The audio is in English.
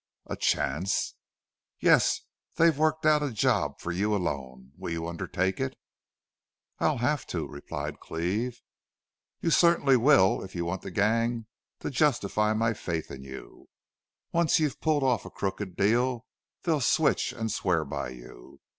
"A chance!" "Yes. They've worked out a job for you alone. Will you undertake it?" "I'll have to," replied Cleve. "You certainly will if you want the gang to justify my faith in you. Once you pull off a crooked deal, they'll switch and swear by you.